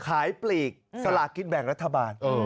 ขายปลีกสลากกิจแบงก์รัฐบาล